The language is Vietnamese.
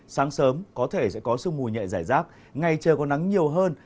sáng sớm có thể sẽ có sức mùi nhẹ rải rác ngày trời có nắng nhiều hơn